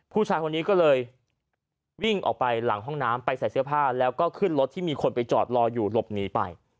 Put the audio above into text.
ผู้ชายคนนี้ก็เลยวิ่งออกไปหลังห้องน้ำไปใส่เสื้อผ้าแล้วก็ขึ้นรถที่มีคนไปจอดรออยู่หลบหนีไป